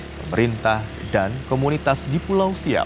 pemerintah dan komunitas di pulau sia